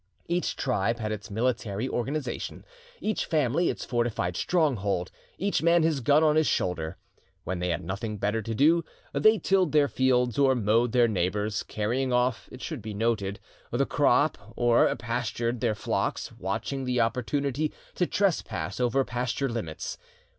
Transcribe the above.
Each tribe had its military organisation, each family its fortified stronghold, each man his gun on his shoulder. When they had nothing better to do, they tilled their fields, or mowed their neighbours', carrying off, it should be noted, the crop; or pastured their, flocks, watching the opportunity to trespass over pasture limits.